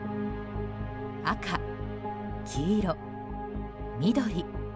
赤、黄色、緑。